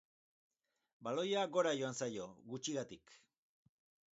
Baloia gora joan zaio, gutxigatik.